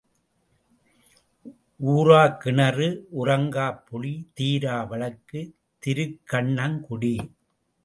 ஊறாக் கிணறு, உறங்காப் புளி, தீரா வழக்கு, திருக்கண்ணங் குடி.